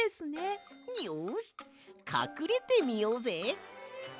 よしかくれてみようぜ！